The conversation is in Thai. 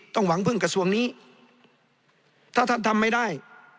หวังพึ่งกระทรวงนี้ถ้าท่านทำไม่ได้